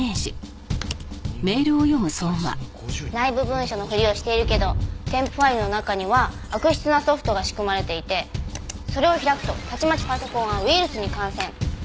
内部文書のふりをしているけど添付ファイルの中には悪質なソフトが仕組まれていてそれを開くとたちまちパソコンがウイルスに感染。